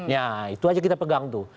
ya itu aja kita pegang tuh